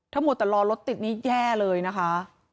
ถ้าหมดตลอดรถติดนี่แย่เลยนะคะ